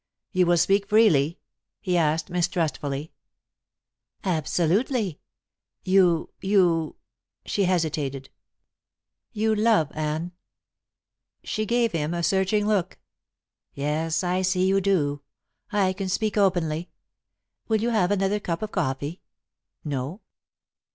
"You will speak freely?" he asked mistrustfully. "Absolutely. You you " she hesitated "you love Anne." She gave him a searching look. "Yes, I see you do. I can speak openly. Will you have another cup of coffee? No!